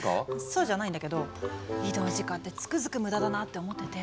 そうじゃないんだけど移動時間ってつくづく無駄だなって思ってて。